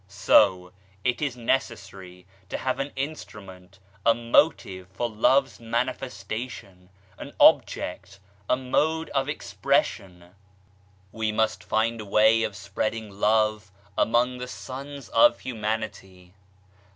So, it is necessary to have an instrument, a motive for Love's manifestation, an object, a mode of expression. We must find a way of spreading Love among the sons of Humanity.